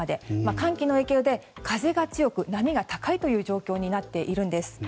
寒気の影響で風が強く波が高いという状況になっているんです。